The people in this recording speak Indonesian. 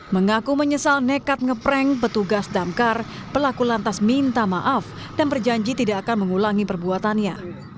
mengaku menyesal nekat ngeprank petugas damkar pelaku lantas minta maaf dan berjanji tidak akan mengulangi perbuatannya